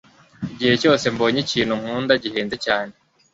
Igihe cyose mbonye ikintu nkunda, gihenze cyane.